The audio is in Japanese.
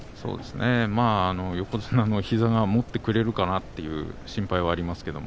横綱の膝がもってくれるかなという心配がありますけど。